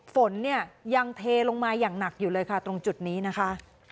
ฝนเนี่ยยังเทลงมาอย่างหนักอยู่เลยค่ะตรงจุดนี้นะคะ